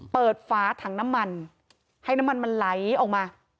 ฟ้าถังน้ำมันให้น้ำมันมันไหลออกมา